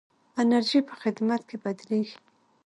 انرژي په خدمت کې بدلېږي.